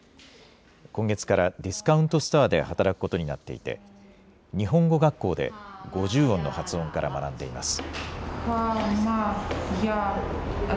今月からディスカウントストアで働くことになっていて、日本語学校で五十音の発音から学んでいます。